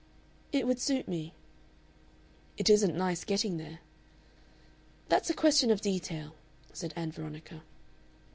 "It would suit me." "It isn't nice getting there." "That's a question of detail," said Ann Veronica.